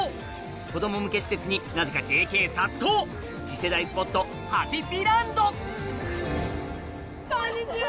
子供向け施設になぜかＪＫ殺到次世代スポットハピピランドこんにちは！